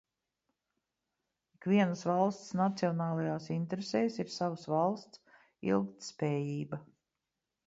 Ikvienas valsts nacionālajās interesēs ir savas valsts ilgtspējība.